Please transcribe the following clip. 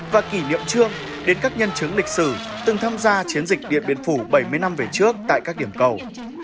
và kỷ niệm trương đến các nhân chứng lịch sử từng tham gia chiến dịch điện biên phủ bảy mươi năm về trước tại các điểm cầu